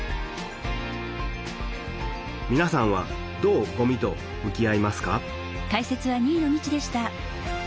みなさんはどうごみと向き合いますか？